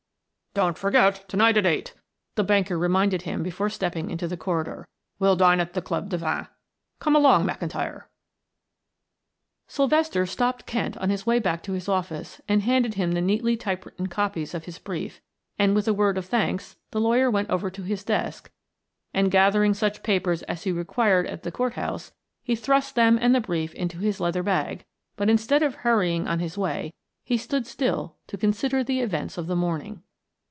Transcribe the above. "Don't forget to night at eight," the banker reminded him before stepping into the corridor. "We'll dine at the Club de Vingt. Come along, McIntyre." Sylvester stopped Kent on his way back to his office and handed him the neatly typewritten copies of his brief, and with a word of thanks the lawyer went over to his desk and, gathering such papers as he required at the court house, he thrust them and the brief into his leather bag, but instead of hurrying on his way, he stood still to consider the events of the morning.